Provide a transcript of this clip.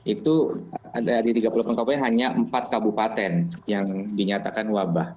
itu dari tiga puluh delapan kabupaten hanya empat kabupaten yang dinyatakan wabah